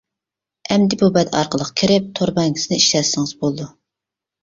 ئەمدى بۇ بەت ئارقىلىق كىرىپ، تور بانكىسىنى ئىشلەتسىڭىز بولىدۇ.